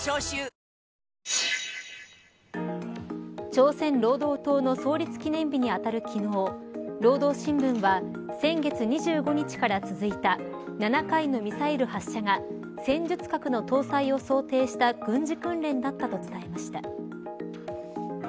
朝鮮労働党の創立記念日にあたる昨日労働新聞は先月２５日から続いた７回のミサイル発射が戦術核の搭載を想定した軍事訓練だったと伝えました。